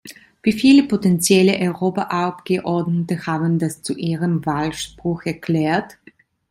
Wie viele potenzielle Europaabgeordnete haben das zu ihrem Wahlspruch erklärt?